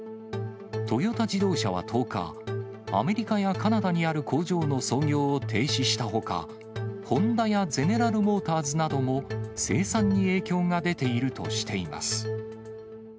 トヨタ自動車は１０日、アメリカやカナダにある工場の操業を停止したほか、ホンダやゼネラル・モーターズなども、生産に影響が出ているとしています。